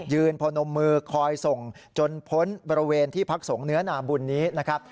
พนมมือคอยส่งจนพ้นบริเวณที่พักสงฆ์เนื้อนาบุญนี้นะครับ